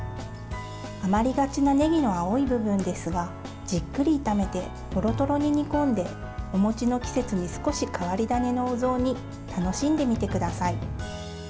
余りがちなねぎの青い部分ですがじっくり炒めてとろとろに煮込んでお餅の季節に少し変わり種のお雑煮楽しんでみてください。